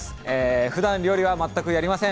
ふだん料理は全くやりません。